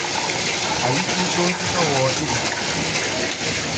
A yi’ii ɗon suka wooɗiri.